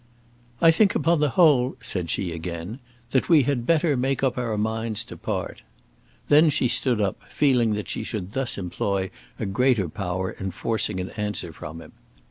"I think upon the whole," said she again, "that we had better make up our minds to part." Then she stood up, feeling that she should thus employ a greater power in forcing an answer from him.